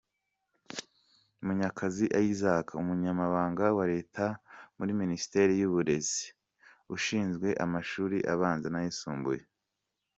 Munyakazi Isaac Umunyamabanga wa Leta muri Minisiteri y’Uburezi, ushinzwe Amashuri abanza n’ayisumbuye